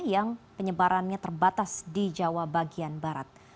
yang penyebarannya terbatas di jawa bagian barat